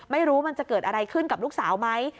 ไม่รู้มันจะเกิดอะไรขึ้นกับลูกสาวไหม